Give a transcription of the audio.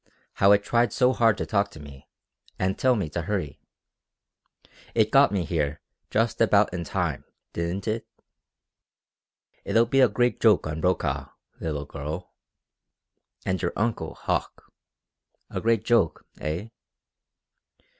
How it tried so hard to talk to me, and tell me to hurry? It got me here just about in time, didn't it? It'll be a great joke on Brokaw, little girl. And your uncle Hauck. A great joke, eh?"